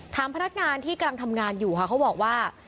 พนักงานที่กำลังทำงานอยู่ค่ะเขาบอกว่า